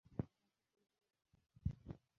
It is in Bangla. আমাকে শুনতে পারছ?